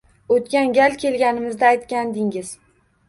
O`tgan gal kelganingizda aytgandingiz